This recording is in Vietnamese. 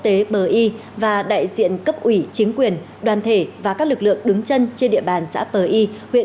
tế bờ y và đại diện cấp ủy chính quyền đoàn thể và các lực lượng đứng chân trên địa bàn xã pờ y huyện